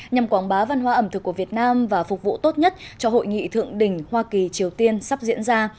nhằm quảng bá văn hóa ẩm thực của việt nam và phục vụ tốt nhất cho hội nghị thượng đỉnh hoa kỳ triều tiên sắp diễn ra